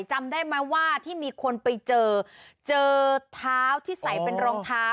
จำได้ไหมว่าที่มีคนไปเจอเจอเท้าที่ใส่เป็นรองเท้า